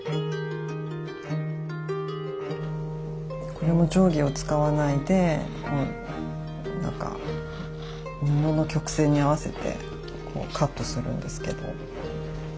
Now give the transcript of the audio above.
これも定規を使わないでこうなんか布の曲線に合わせてこうカットするんですけど。